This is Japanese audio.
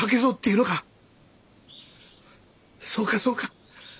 そうかそうか。